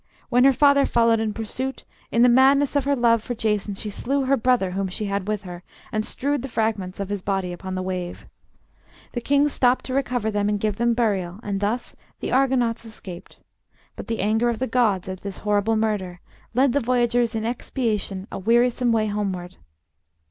When her father followed in pursuit, in the madness of her love for Jason she slew her brother whom she had with her, and strewed the fragments of his body upon the wave. The king stopped to recover them and give them burial, and thus the Argonauts escaped. But the anger of the gods at this horrible murder led the voyagers in expiation a wearisome way homeward.